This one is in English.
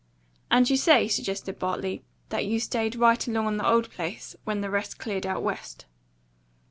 "And you say," suggested Bartley, "that you stayed right along on the old place, when the rest cleared out West?"